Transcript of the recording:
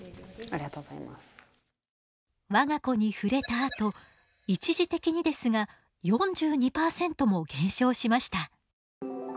我が子に触れたあと一時的にですが４２％も減少しました。